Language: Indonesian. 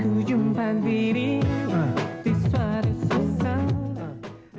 aku jumpa diri di suara susah